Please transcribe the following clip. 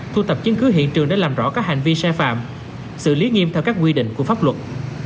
thu tập chứng cứ hiện trường để làm rõ các hành vi sai phạm xử lý nghiêm theo các quy định của pháp luật